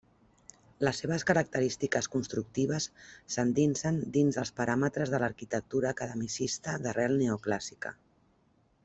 Les seves característiques constructives s'endinsen dins dels paràmetres de l'arquitectura academicista d'arrel neoclàssica.